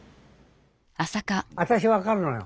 私分かるのよ。